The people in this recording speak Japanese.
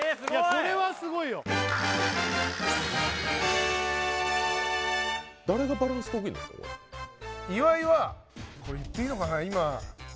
これはすごいよ岩井はこれ言っていいのかな